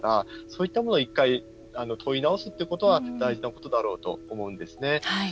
そういったものを１回問い直すということは大事なことだろうと思うんですね。